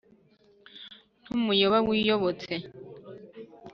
ntumuyoba wiyobotse